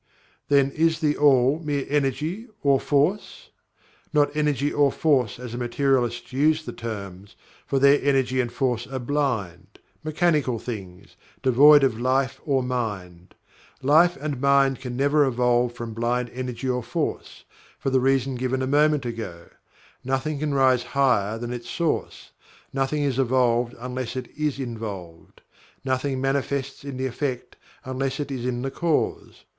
Then is THE ALL mere Energy or Force? Not Energy or Force as the materialists use the terms, for their energy and force are blind, mechanical things, devoid of Life or Mind. Life and Mind can never evolve from blind Energy or Force, for the reason given a moment ago: "Nothing can rise higher than its source nothing is evolved unless it is involved nothing manifests in the effect, unless it is in the cause.